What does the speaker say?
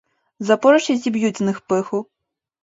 Запорожці зіб'ють з них пиху!